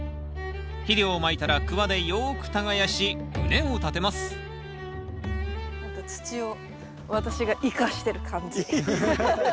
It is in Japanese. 肥料をまいたらクワでよく耕し畝を立てます何か土を私が生かしてる感じ。